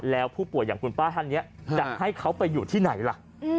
แล้วผู้ป่วยอย่างคุณป้าท่านนี้จะให้เขาไปอยู่ที่ไหนล่ะ